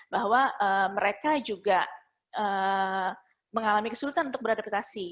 bahwa mereka juga mengalami kesulitan untuk beradaptasi